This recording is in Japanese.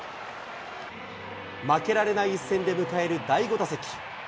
負けられない一戦で迎える第５打席。